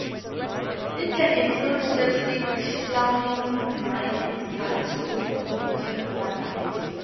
It can include slapstick, clowning, mime, physical stunts, or making funny faces.